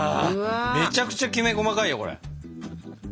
めちゃくちゃきめ細かいよこれ。